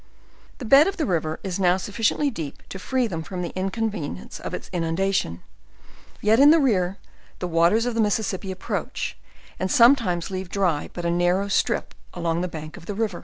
The bed of the river is now sufficiently deep to free them from the inconvenience of its inundation; yet in the rear,, the waters of the Mississippi approach, and sometimes leave dry but a narrpvy strip along the bank of the river.